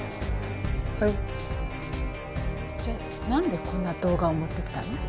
はいじゃあ何でこんな動画を持ってきたの？